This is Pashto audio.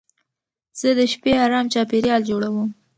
زه د شپې ارام چاپېریال جوړوم.